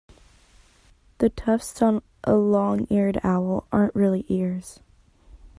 The tufts on a long-eared owl aren’t really ears